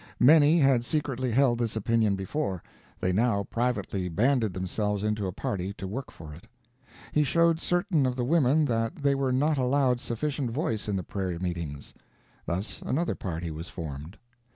Many had secretly held this opinion before; they now privately banded themselves into a party to work for it. He showed certain of the women that they were not allowed sufficient voice in the prayer meetings; thus another party was formed.